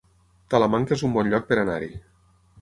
Talamanca es un bon lloc per anar-hi